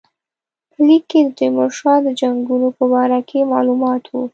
په لیک کې د تیمورشاه د جنګونو په باره کې معلومات وو.